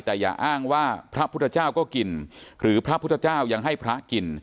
แต่อย่าอ้างว่าพระพุทธเจ้าก็กินหรือพระพุทธเจ้ายังให้พระกิน